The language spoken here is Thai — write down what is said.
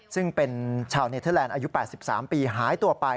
ซึ่งเป็นชาวเนเทอร์แลนด์อายุ๘๓ปีหายตัวไป